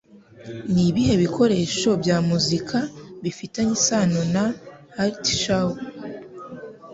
Nibihe bikoresho bya muzika bifitanye isano na Artie Shaw?